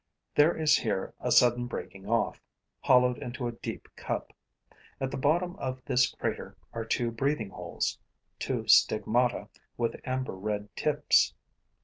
There is here a sudden breaking off, hollowed into a deep cup. At the bottom of this crater are two breathing holes, two stigmata with amber red tips.